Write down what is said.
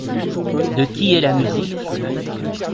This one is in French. De qui est la musique ?